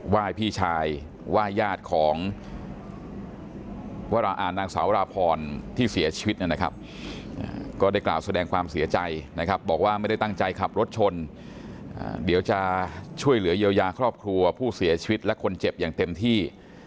พี่ชายไหว้ญาติของนางสาวราพรที่เสียชีวิตนะครับก็ได้กล่าวแสดงความเสียใจนะครับบอกว่าไม่ได้ตั้งใจขับรถชนเดี๋ยวจะช่วยเหลือเยียวยาครอบครัวผู้เสียชีวิตและคนเจ็บอย่างเต็มที่